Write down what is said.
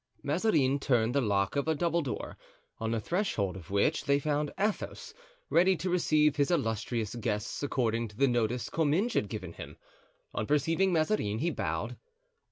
Mazarin turned the lock of a double door, on the threshold of which they found Athos ready to receive his illustrious guests according to the notice Comminges had given him. On perceiving Mazarin he bowed.